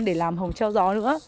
để làm hồng treo gió nữa